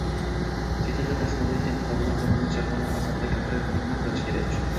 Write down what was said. Chet elda tahsil olayotgan fuqarolar tomonidan shartnoma asosida kontrakt to‘lovini to‘lash uchun